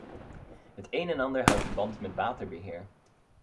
Het een en ander houdt verband met waterbeheer.